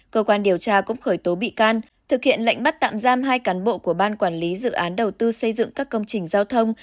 cơ quan điều tra cũng khởi tố bị can thực hiện lệnh bắt tạm giam hai cán bộ của ban quản lý dự án đầu tư xây dựng các công trình giao thông